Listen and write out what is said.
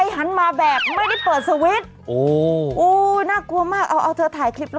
เห็นมึย